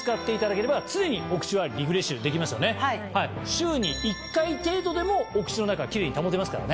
週に１回程度でもお口の中キレイに保てますからね。